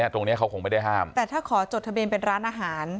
ตรงนี้เขาคงไม่ได้ห้ามแต่ถ้าขอจดทะเบียนเป็นร้านอาหาร